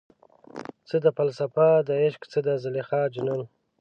څه ده فلسفه دعشق، څه د زلیخا جنون؟